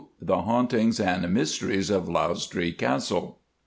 The Hauntings and Mysteries of Lausdree Castle.